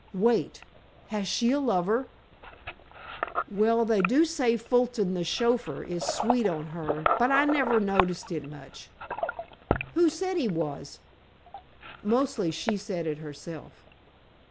Wait, has she a lover?" "Well, they do say Fulton, the chauffeur, is sweet on her, but I never noticed it much." "Who said he was?" "Mostly she said it herself."